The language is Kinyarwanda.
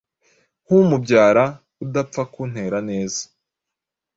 Nkumubyara udapfa nkutera neza.